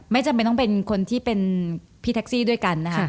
จำเป็นต้องเป็นคนที่เป็นพี่แท็กซี่ด้วยกันนะคะ